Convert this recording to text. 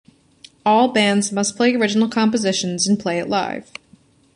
All bands must play original compositions and play it live.